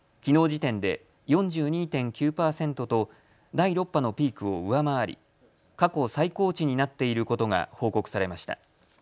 時点で４２．９％と第６波のピークを上回り過去最高値になっていることが報告されました。